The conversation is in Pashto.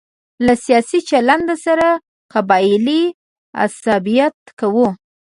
له سیاسي چلن سره قبایلي عصبیت کوو.